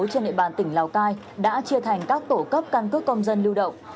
trên địa bàn tỉnh lào cai đã chia thành các tổ cấp căn cước công dân lưu động